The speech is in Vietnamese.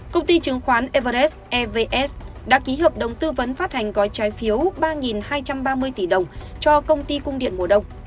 công ty chứng khoán evaes evs đã ký hợp đồng tư vấn phát hành gói trái phiếu ba hai trăm ba mươi tỷ đồng cho công ty cung điện mùa đông